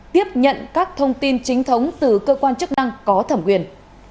tiếp nhận các thông tin chính thống từ cơ quan chức năng có thẩm quyền